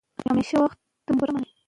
موږ باید له غلطو تبلیغاتو څخه ځان وساتو.